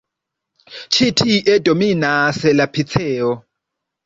Ĉi tie dominas la piceo.